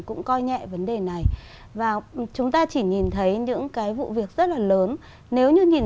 cũng coi nhẹ vấn đề này và chúng ta chỉ nhìn thấy những cái vụ việc rất là lớn nếu như nhìn